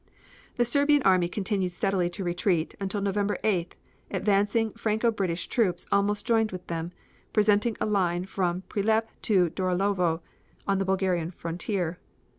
The Serbian army continued steadily to retreat, until on November 8th, advancing Franco British troops almost joined with them, presenting a line from Prilep to Dorolovo on the Bulgarian frontier.